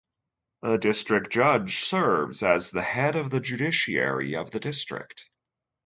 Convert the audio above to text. A District Judge serves as the head of the Judiciary of the district.